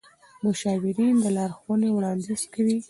مشاورین د لارښوونې وړاندیز کوي.